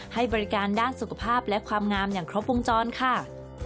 ให้บริการด้านสุขภาพและความงามอย่างครบวงจรค่ะ